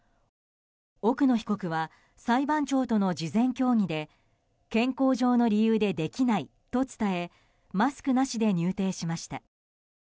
奥野被告は裁判長との事前協議で健康上の理由でできないと伝えマスクなしで入廷しました。